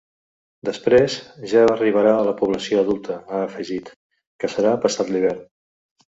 “Després, ja arribarà a la població adulta”, ha afegit, que serà passat l’hivern.